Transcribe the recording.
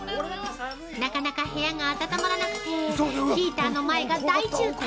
なかなか部屋が温まらなくて、ヒーターの前が大渋滞！